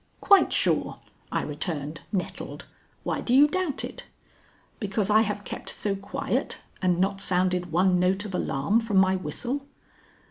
"Quite sure," I returned, nettled. "Why do you doubt it? Because I have kept so quiet and not sounded one note of alarm from my whistle?"